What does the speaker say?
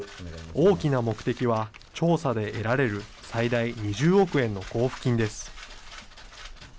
大きな目的は、調査で得られる最大２０億円の交付金です。